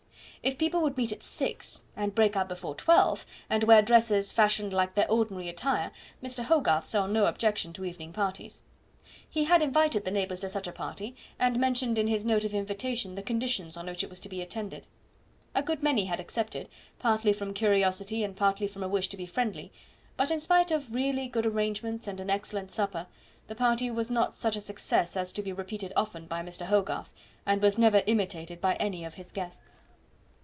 If people would meet at six, and break up before twelve, and wear dresses fashioned like their ordinary attire, Mr. Hogarth saw no objection to evening parties. He had invited the neighbours to such a party, and mentioned in his note of invitation the conditions on which it was to be attended. A good many had accepted, partly from curiosity, and partly from a wish to be friendly; but, in spite of really good arrangements and an excellent supper, the party was not such a success as to be repeated often by Mr. Hogarth, and was never imitated by any of his guests.